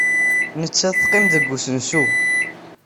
Nettat teqqim deg usensu.